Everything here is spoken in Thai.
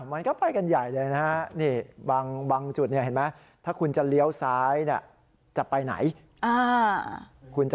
มันก็ไปกันใหญ่เลยนะฮะบางจุดเห็นไหมถ้าคุณจะเลี้ยวซ้ายจะไปไหน